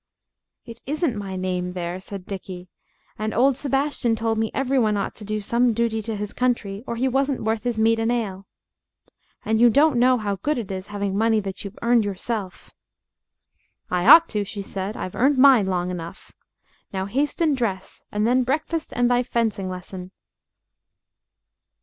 "It isn't my name there," said Dickie; "and old Sebastian told me every one ought to do some duty to his country, or he wasn't worth his meat and ale. And you don't know how good it is having money that you've earned yourself." "I ought to," she said; "I've earned mine long enough. Now haste and dress and then breakfast and thy fencing lesson."